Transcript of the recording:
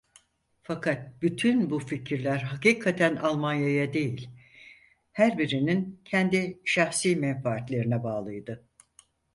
Fakat bütün bu fikirler hakikaten Almanya'ya değil, her birinin kendi şahsi menfaatlerine bağlıydı.